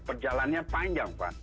perjalannya panjang pak